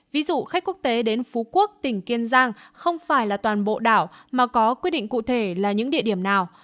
ví dụ khách quốc tế đến phú quốc tỉnh kiên giang không phải là toàn bộ đảo mà có quyết định cụ thể là những địa điểm nào